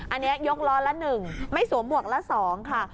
อันเนี้ยยกร้อนละหนึ่งไม่สวมบวกละสองค่ะ